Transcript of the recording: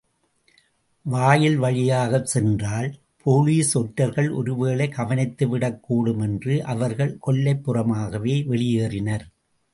வாயில் வழியாகச் சென்றால் போலிஸ் ஒற்றர்கள் ஒரு வேளை கவனித்து விடக்கூடும் என்று அவர்கள் கொல்லைப் புறமாகவே வெளியேறினர்.